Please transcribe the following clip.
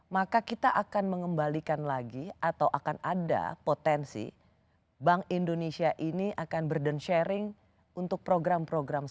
maka kita akan mengembalikan lagi atau akan ada potensi bank indonesia ini akan burden sharing untuk program program